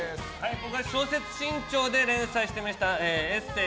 僕が「小説新潮」で連載していたエッセー